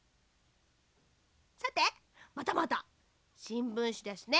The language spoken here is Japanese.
さてまたまたしんぶんしですね。